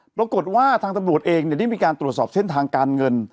ปรากฏว่าทางตำรวจเองได้มีการตรวจสอบเส้นทางการเงิน